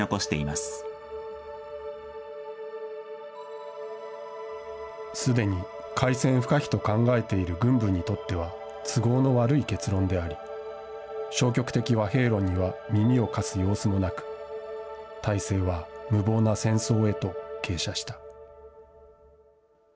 すでに開戦不可避と考えている軍部にとっては、都合の悪い結論であり、消極的和平論には耳を貸す様子もなく、大勢は無謀な戦争へと傾斜した。